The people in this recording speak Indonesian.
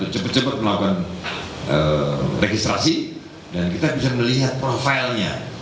cepat cepat melakukan registrasi dan kita bisa melihat profilnya